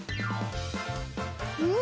うん！